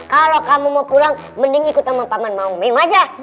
kalau kamu mau pulang mending ikut sama paman mau meme aja